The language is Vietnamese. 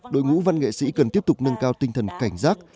đội ngũ văn nghệ sĩ cần tiếp tục nâng cao tinh thần cảnh giác